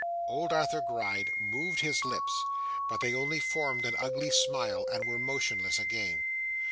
Old Arthur Gride moved his lips, but they only formed an ugly smile and were motionless again.